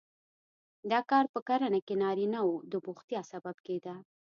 دا کار په کرنه کې نارینه وو د بوختیا سبب کېده.